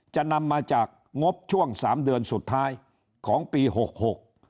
จะนำมาจากงบช่วงสามเดือนสุดท้ายของปีหกหก